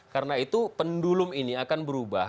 karena itu pendulum ini akan berubah